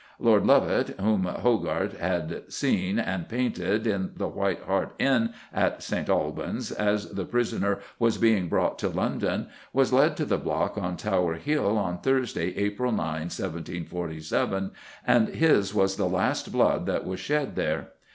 Lord Lovat, whom Hogarth had seen, and painted, in the White Hart Inn at St. Albans as the prisoner was being brought to London, was led to the block on Tower Hill on Thursday, April 9, 1747, and his was the last blood that was shed there.